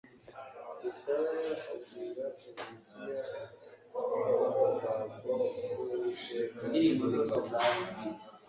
yesaya abwira hezekiya ati umva ijambo ry'uwiteka nyiringabo